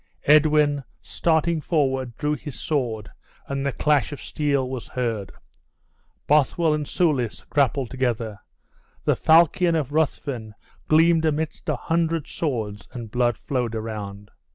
Edwin, starting forward, drew his sword, and the clash of steel was heard. Bothwell and Soulis grappled together, the falchion of Ruthven gleamed amidst a hundred swords, and blood flowed around.